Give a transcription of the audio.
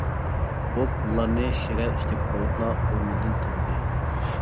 ئۇ پۇللارنى شىرە ئۈستىدە قويۇپلا، ئورنىدىن تۇردى.